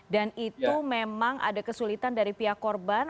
dan itu memang ada kesulitan dari pihak korban